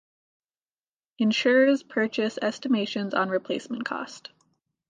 Insurers purchase estimations on replacement cost.